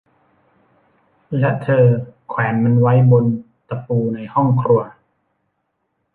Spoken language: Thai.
และเธอแขวนมันไว้บนตะปูในห้องครัว